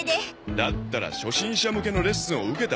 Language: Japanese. だったら初心者向けのレッスンを受けたほうがいいだ。